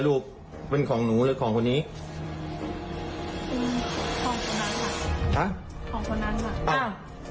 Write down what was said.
ลูกเป็นของหนูหรือของคนนี้อืมของคนนั้นค่ะฮะของคนนั้นค่ะ